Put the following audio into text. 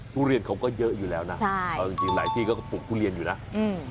ทุเรียนเขาก็เยอะอยู่แล้วนะใช่เอาจริงจริงหลายที่ก็ปลูกทุเรียนอยู่นะอืม